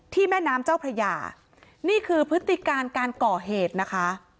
แม่น้ำเจ้าพระยานี่คือพฤติการการก่อเหตุนะคะ